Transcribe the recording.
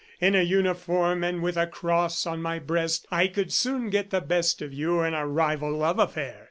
In a uniform and with a cross on my breast, I could soon get the best of you in a rival love affair.